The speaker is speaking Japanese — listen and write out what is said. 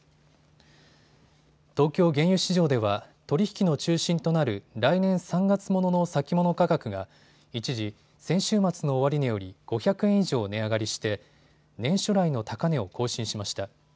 東京原油市場では取り引きの中心となる来年３月ものの先物価格が一時、先週末の終値より５００円以上値上がりして年初来の高値を更新しました。